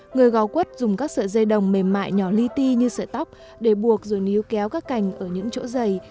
người gò quất dùng các sợi dây đồng mềm mại nhỏ lyti như sợi tóc để buộc rồi níu kéo các cành ở những chỗ dày